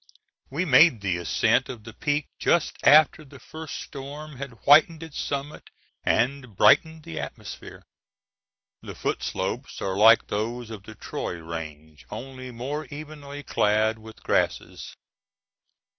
We made the ascent of the peak just after the first storm had whitened its summit and brightened the atmosphere. The foot slopes are like those of the Troy range, only more evenly clad with grasses.